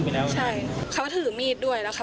ใครผ่านหายผ่านหายไปอย่างไร